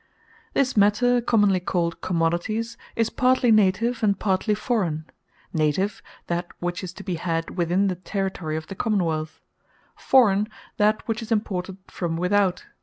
This Matter, commonly called Commodities, is partly Native, and partly Forraign: Native, that which is to be had within the Territory of the Common wealth; Forraign, that which is imported from without.